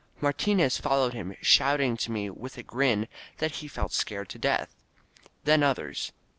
Martinez followed him, shouting to me with a grin that he felt scared to death. Then others.